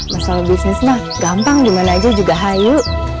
masalah bisnis mah gampang gimana aja juga hayu